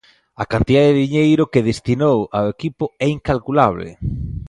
A cantidade de diñeiro que destinou ao equipo é incalculable.